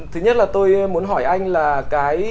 thứ nhất là tôi muốn hỏi anh là cái